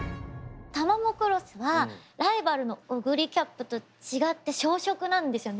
タマモクロスはライバルのオグリキャップと違って小食なんですよ